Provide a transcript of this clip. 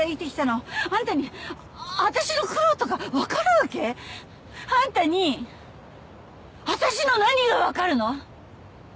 あんたに私の苦労とかわかるわけ？あんたに私の何がわかるの？